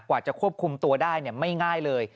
กว่าจะควบคุมตัวได้ไม่ง่ายเลย